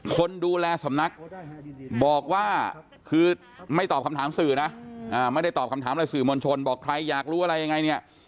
คนดูแลสำนักบอกว่าคือไม่ตอบคำถามสื่อนะไม่ได้ตอบคำถามอะไรสื่อมวลชนบอกใครอยากรู้อะไรยังไงเนี่ย